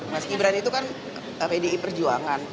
mas gibran itu kan pdi perjuangan